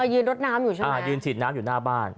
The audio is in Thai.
ยืนรดน้ำอยู่ใช่ไหมยืนฉีดน้ำอยู่หน้าบ้าน